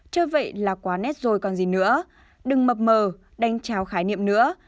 chứ vậy là quá nét rồi còn gì nữa đừng mập mờ đánh tráo khái niệm nữa